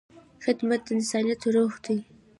خدمت د انسانیت روح دی.